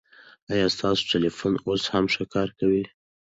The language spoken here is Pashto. ایا ستاسو ټلېفون اوس هم ښه کار کوي؟